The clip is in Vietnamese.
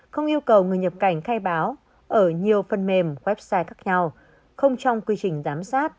không yêu cầu người nhập cảnh khai báo ở nhiều phần mềm website khác nhau không trong quy trình giám sát